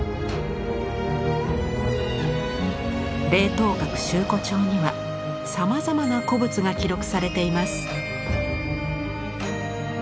「聆涛閣集古帖」にはさまざまな古物が記録されています。